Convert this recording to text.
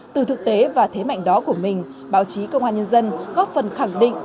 từ thực tế và thế mạnh đó của mình báo chí công an nhân dân góp phần khẳng định